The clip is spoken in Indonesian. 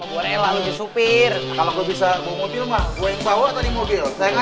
kayaknya sih iya